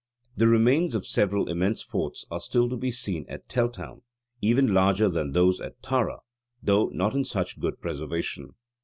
The remains of several immense forts are still to be seen at Teltown, even larger than those at Tara, though not in such good preservation.